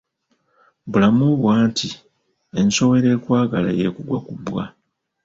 Bulamu bwo anti, ensowera ekwagala y'ekugwa ku bbwa.